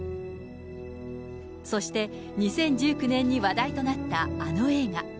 そして２０１９年に話題となったあの映画。